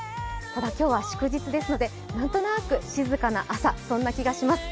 ただ、今日は祝日ですので、なんとなく静かな朝、そんな気がします。